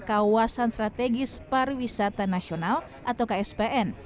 kawasan strategis pariwisata nasional atau kspn